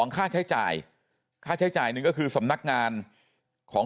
ค่าใช้จ่ายค่าใช้จ่ายหนึ่งก็คือสำนักงานของ